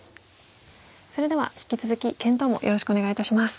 それでは引き続き検討もよろしくお願いいたします。